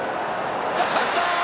チャンスだ。